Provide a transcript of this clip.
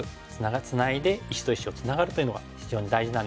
ツナいで石と石をツナがるというのが非常に大事なんですけれども。